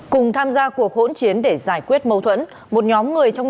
cùng tham gia cuộc hỗn chiến để giải thích tình hình của các đối tượng